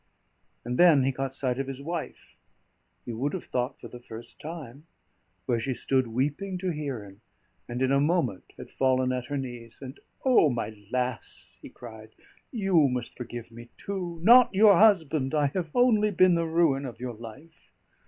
And then he caught sight of his wife (you would have thought for the first time), where she stood weeping to hear him, and in a moment had fallen at her knees. "And O my lass," he cried, "you must forgive me, too! Not your husband I have only been the ruin of your life.